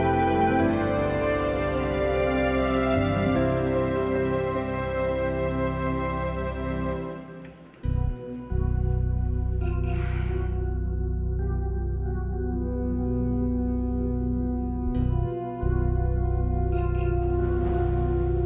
mil apaan sih kamu mil